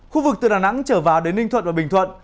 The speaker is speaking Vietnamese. khu vực từ đà nẵng trở vào đến ninh thuận và bình thuận